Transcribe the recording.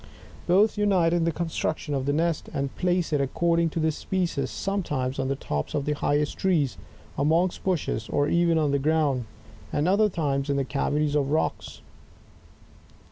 Both unite in the construc tion of the nest, and place it, according to the species, sometimes on the tops of the highest trees, amongst bushes, or even on the ground, and other times in the cavities of rocks.